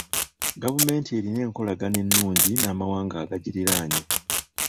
Gavumenti erina enkolagana ennungi n'amawanga agagiriraanye..